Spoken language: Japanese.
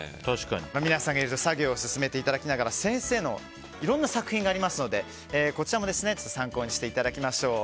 皆さん作業を進めていきながら先生のいろいろな作品がありますので参考にしていただきましょう。